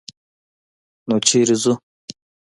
_نو چېرته ځو؟